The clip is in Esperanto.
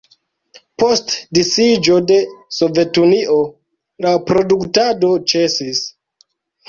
Post disiĝo de Sovetunio, la produktado ĉesis.